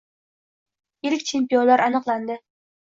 Ilk chempionlar aniqlandi